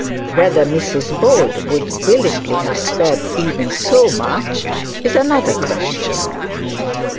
Whether Mrs Bold would willingly have spared even so much is another question.